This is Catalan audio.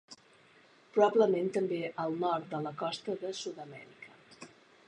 Probablement també al nord de la costa de Sud-amèrica.